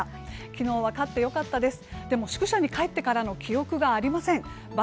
きのうは勝ってよかったです。